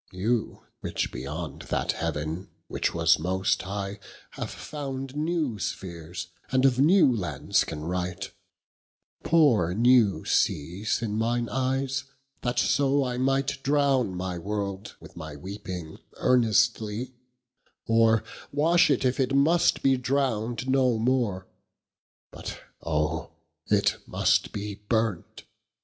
You which beyond that heaven which was most high Have found new sphears, and of new lands can write, Powre new seas in mine eyes, that so I might Drowne my world with my weeping earnestly, Or wash it if it must be drown'd no more; But oh it must be burnt!